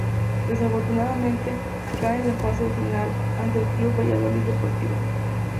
Desafortunadamente, cae en la fase final ante el Club Valladolid Deportivo.